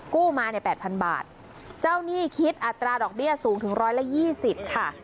กู้มา๘๐๐๐บาทเจ้านี่คิดอัตราดอกเบี้ยสูงถึง๑๒๐บาทค่ะ